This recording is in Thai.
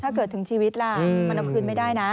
ถึงชีวิตล่ะมันเอาคืนไม่ได้นะ